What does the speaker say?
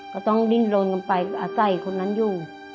ก็ต้องดิ้นลนกันไปอาศัยคนนั้นอยู่